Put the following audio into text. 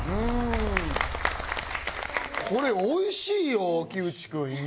これおいしいよ木内くん肉。